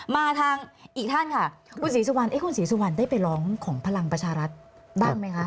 มาทางอีกท่านค่ะคุณศรีสุวรรณได้ไปร้องของพลังประชารัฐได้ไหมคะ